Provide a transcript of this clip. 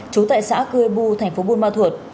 chú tại xã cư bưu thành phố buôn ma thuột